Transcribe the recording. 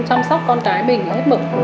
chăm sóc con trái mình hết mực